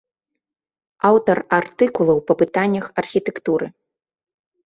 Аўтар артыкулаў па пытаннях архітэктуры.